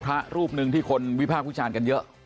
พระรูปหนึ่งที่คนวิภาพุทธิ์ชาญกันเยอะ